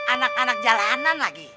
anak anak jalanan lagi